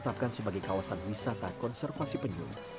tetapkan sebagai kawasan wisata konservasi penyu